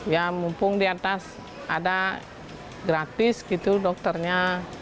ya mumpung di atas ada gratis gitu dokternya